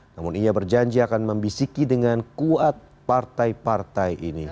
namun ia berjanji akan membisiki dengan kuat partai partai ini